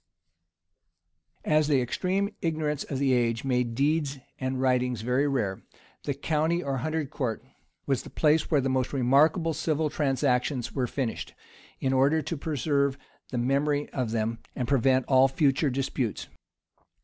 ] As the extreme ignorance of the age made deeds and writings very rare, the county or hundred court was the place where the most remarkable civil transactions were finished, in order to preserve the memory of them, and prevent all future disputes.